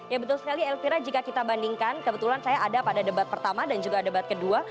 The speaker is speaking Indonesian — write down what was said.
ya betul sekali elvira jika kita bandingkan kebetulan saya ada pada debat pertama dan juga debat kedua